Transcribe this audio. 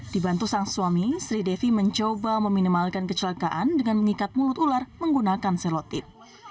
dibantu sang suami sri devi mencoba meminimalkan kecelakaan dengan mengikat mulut ular menggunakan selotip